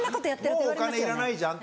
「もうお金いらないじゃん」。